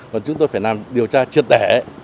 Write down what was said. và chúng tôi phải làm điều tra truyệt đẻ